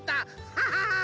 ハハハ！